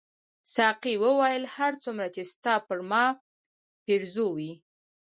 ساقي وویل هر څومره چې ستا پر ما پیرزو وې.